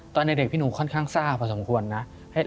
ตอนเด็กพี่หนูค่อนข้างซ่าพอสมควรนะ